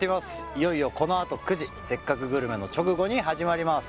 いよいよこのあと９時「せっかくグルメ」の直後に始まります